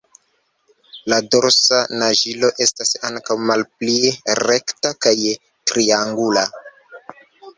La dorsa naĝilo estas ankaŭ malpli rekta kaj triangula.